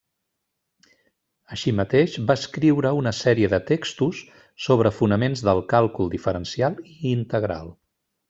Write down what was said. Així mateix, va escriure una sèrie de textos sobre fonaments del càlcul diferencial i integral.